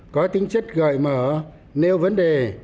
có tính chất gợi mở nếu vấn đề